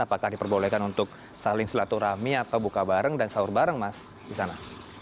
apakah diperbolehkan untuk saling silaturahmi atau buka bareng dan sahur bareng mas di sana